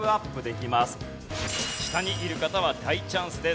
下にいる方は大チャンスです。